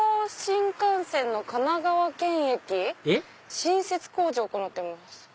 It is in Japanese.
「新設工事を行っています」。